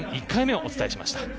１回目をお伝えしました。